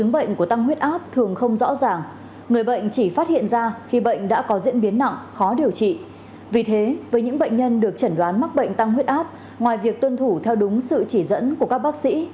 bệnh tăng huyết áp ngoài việc tuân thủ theo đúng sự chỉ dẫn của các bác sĩ